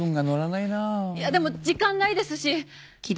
いやでも時間ないですし。